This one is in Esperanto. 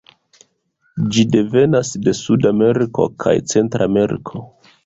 Ĝi devenas de sudameriko kaj centrameriko.